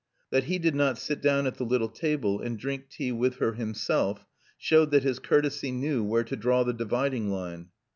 That he did not sit down at the little table and drink tea with her himself showed that his courtesy knew where to draw the dividing line.